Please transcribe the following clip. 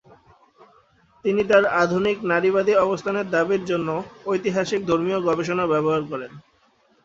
তিনি তার আধুনিক নারীবাদী অবস্থানের দাবির জন্য ঐতিহাসিক ধর্মীয় গবেষণা ব্যবহার করেন।